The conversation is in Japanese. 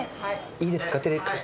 いいですか？